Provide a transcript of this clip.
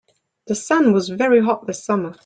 The sun was very hot this summer.